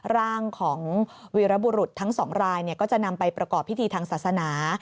ร่างของวีรบุรุษทั้ง๒รายก็จะนำไปประกอบพิธีทางศาสนา